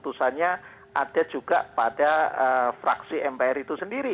keputusannya ada juga pada fraksi mpr itu sendiri